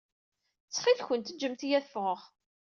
Ttxil-kent ǧǧemt-iyi ad ffɣeɣ.